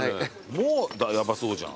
もうヤバそうじゃん。